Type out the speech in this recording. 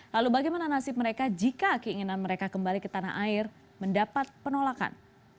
lalu bagaimana nasib mereka jika keinginan mereka kembali ke tanah air mendapat penolakan